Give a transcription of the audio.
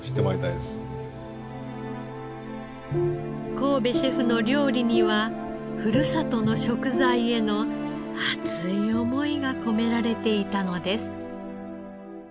神戸シェフの料理にはふるさとの食材への熱い思いが込められていたのです。